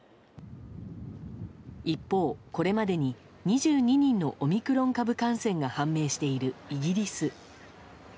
一方、これまでに２２人のオミクロン株感染が判明しているイギリス。